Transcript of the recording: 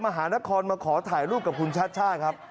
มหานครมาขอถ่ายรูปกับคุณชาติชาติครับ